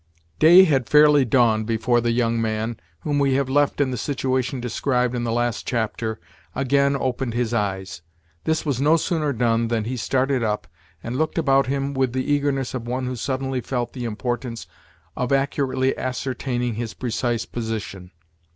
Day had fairly dawned before the young man, whom we have left in the situation described in the last chapter, again opened his eyes. This was no sooner done, than he started up, and looked about him with the eagerness of one who suddenly felt the importance of accurately ascertaining his precise position.